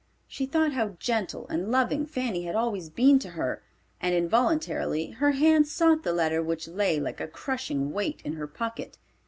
She thought how gentle and loving Fanny had always been to her and involuntarily her hand sought the letter which lay like a crushing weight in her pocket.